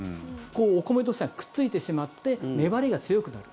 お米同士がくっついてしまって粘りが強くなる。